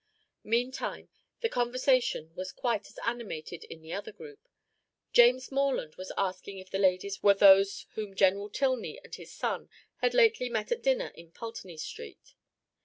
Meantime, the conversation was quite as animated in the other group. James Morland was asking if the ladies were those whom General Tilney and his son had lately met at dinner in Pulteney Street.